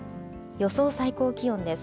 予想最高気温です。